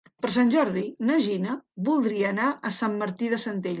Per Sant Jordi na Gina voldria anar a Sant Martí de Centelles.